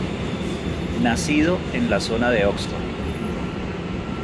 Nacido en la zona de Oxford.